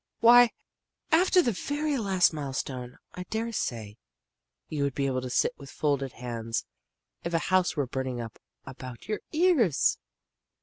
Why, after the very last milestone I daresay you would be able to sit with folded hands if a house were burning up about your ears!"